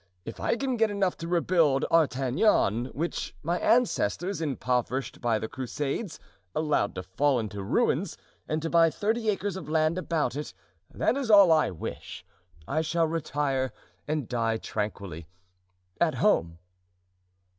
If I can get enough to rebuild Artagnan, which my ancestors, impoverished by the Crusades, allowed to fall into ruins, and to buy thirty acres of land about it, that is all I wish. I shall retire and die tranquilly—at home."